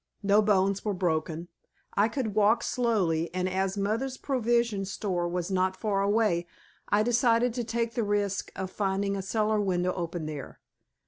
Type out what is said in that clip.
No bones were broken. I could walk slowly, and as mother's provision store was not far away, I decided to take the risk of finding a cellar window open there.